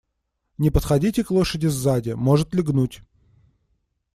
Не подходите к лошади сзади, может лягнуть.